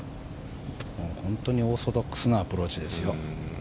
本当にオーソドックスなアプローチですよ。